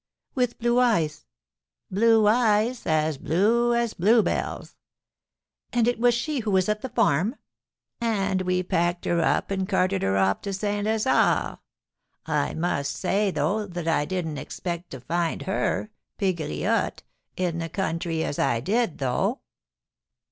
"With blue eyes?" "Blue eyes as blue as blue bells." "And it was she who was at the farm?" "And we packed her up and carted her off to St. Lazare. I must say, though, that I didn't expect to find her Pegriotte in the country as I did, though."